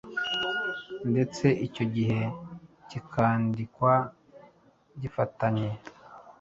ndetse icyo gihe kikandikwa gifatanye.